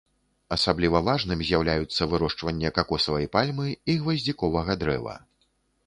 Асабліва важным з'яўляюцца вырошчванне какосавай пальмы і гваздзіковага дрэва.